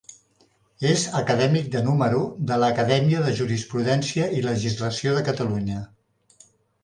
És acadèmic de número de l'Acadèmia de Jurisprudència i Legislació de Catalunya.